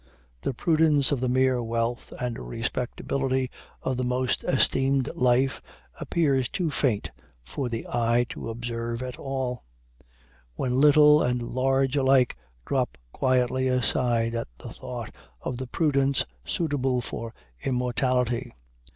The prudence of the mere wealth and respectability of the most esteem'd life appears too faint for the eye to observe at all, when little and large alike drop quietly aside at the thought of the prudence suitable for immortality.